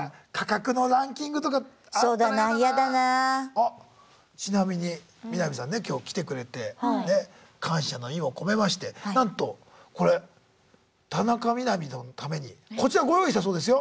あっちなみにみな実さんね今日来てくれてね感謝の意を込めましてなんとこれ田中みな実のためにこちらご用意したそうですよ。